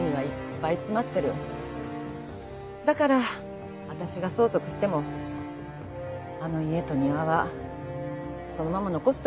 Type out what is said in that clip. だから私が相続してもあの家と庭はそのまま残しておこうと思ってるの。